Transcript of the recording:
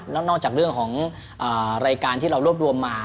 แล้วนอกจากเรื่องของรายการที่เรารวบรวมมา